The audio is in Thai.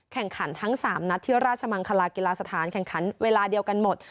แข่งขันทั้ง๓นัดที่ราชมังคลากีฬาสถานแข่งขันเวลาเดียวกันหมด